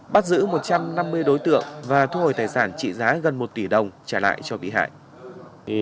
bắt giữ một trăm năm mươi đối tượng và thu hồi tài sản trị giá gần một tỷ đồng trả lại cho bị hại